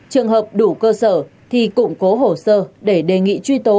trường hợp đủ cơ sở thì cụm cố hồ sơ để đề nghị truy tố